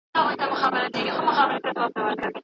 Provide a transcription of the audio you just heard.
جهاني واری دي تېر کړ ښه که بد وو خدای پوهیږي